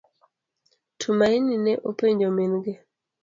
Tumaini ne openjo min gi.